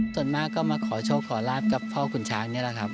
ส่วนมากก็มาขอโชคขอลาบกับพ่อขุนช้างนี่แหละครับ